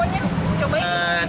enak kok pokoknya cobain